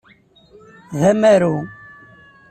D amaru.